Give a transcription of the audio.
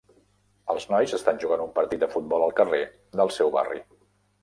Els nois estan jugant un partit de futbol al carrer del seu barri.